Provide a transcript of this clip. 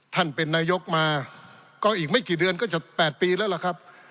ท่านเป็นนายกมาก็อีกไม่กี่เดือนก็จะ๘ปีแล้วล่ะครับ